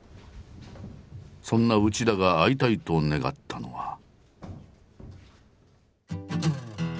そんな内田が会いたいと願ったのは。